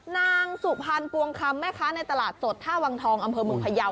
นางสุพรรณปวงคำแม่ค้าในตลาดสดท่าวังทองอำเภอเมืองพยาว